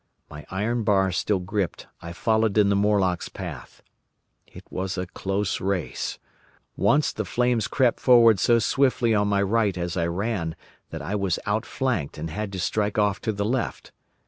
My iron bar still gripped, I followed in the Morlocks' path. It was a close race. Once the flames crept forward so swiftly on my right as I ran that I was outflanked and had to strike off to the left.